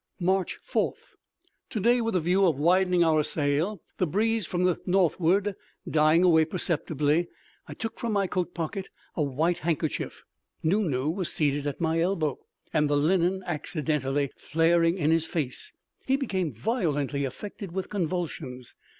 March 4th. To day, with the view of widening our sail, the breeze from the northward dying away perceptibly, I took from my coat pocket a white handkerchief. Nu Nu was seated at my elbow, and the linen accidentally flaring in his face, he became violently affected with convulsions.